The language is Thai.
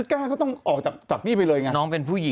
กล้าก็ต้องออกจากจักรดีไปเลยไง